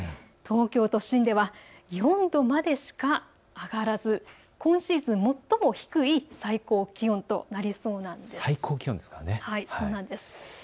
東京都心では４度までしか上がらず今シーズン、最も低い最高気温となりそうです。